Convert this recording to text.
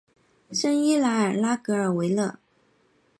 圣伊莱尔拉格拉韦勒。